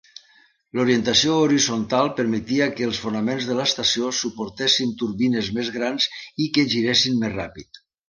L'orientació horitzontal permetia que els fonaments de l'estació suportessin turbines més grans i que girassin més ràpid.